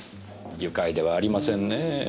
愉快ではありませんねぇ。